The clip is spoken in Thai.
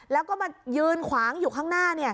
แล้วก็มายืนขวางอยู่ข้างหน้า